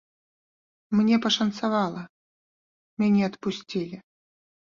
Мне пашанцавала, мяне адпусцілі.